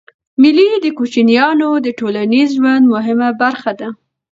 مېلې د کوچنيانو د ټولنیز ژوند مهمه برخه ده.